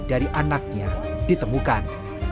dari anaknya ditemukan